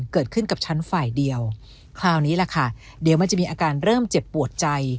เกิดขึ้นกับฉันฝ่ายเดียวคราวนี้แหละค่ะเดี๋ยวมันจะมีอาการเริ่มเจ็บปวดใจ